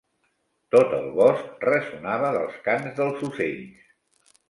Tot el bosc ressonava dels cants dels ocells.